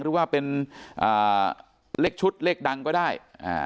หรือว่าเป็นอ่าเลขชุดเลขดังก็ได้อ่า